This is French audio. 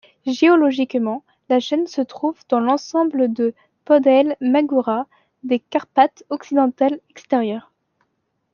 Géologiquement la chaîne se trouve dans l'ensemble de Podhale-Magura des Carpates occidentales extérieures.